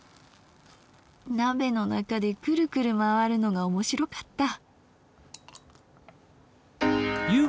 鍋の中でクルクル回るのが面白かった。